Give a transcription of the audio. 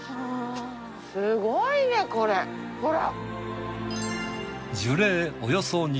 すごいねこれほら。